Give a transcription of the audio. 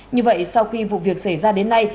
như vậy sau khi vụ việc xảy ra đến nay